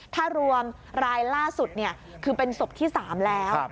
ถ้ารวมรายล่าสุดคือเป็นศพที่๓แล้ว